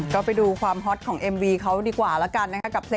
ก็ไปดูความฮอตของเอ็มวีเขาดีกว่าแล้วกันนะครับ